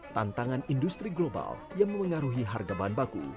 tantangan industri global yang memengaruhi harga bahan baku